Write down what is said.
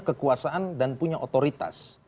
kekuasaan dan punya otoritas